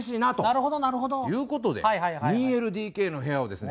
なるほどなるほど。ということで２ＬＤＫの部屋をですね